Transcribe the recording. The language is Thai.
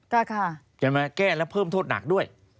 ใช่ค่ะใช่ไหมแก้แล้วเพิ่มโทษหนักด้วย